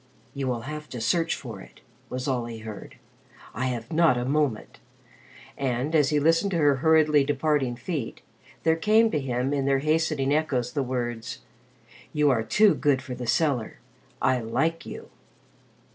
"You will have to search for it," was all he heard. "I have not a moment!" And, as he listened to her hurriedly departing feet, there came to him with their hastening echoes the words, "You are too good for the cellar. I like you!"